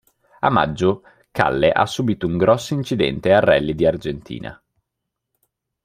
A maggio, Kalle ha subito un grosso incidente al Rally di Argentina.